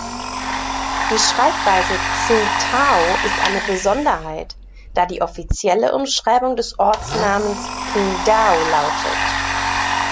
Die Schreibweise "Tsingtao" ist eine Besonderheit, da die offizielle Umschreibung des Ortsnamens "Qingdao" lautet.